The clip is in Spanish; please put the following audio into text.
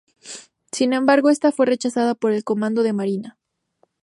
Sin embargo, esta fue rechazada por el comando de marina.